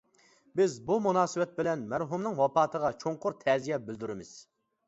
بىز بۇ مۇناسىۋەت بىلەن مەرھۇمنىڭ ۋاپاتىغا چوڭقۇر تەزىيە بىلدۈرىمىز.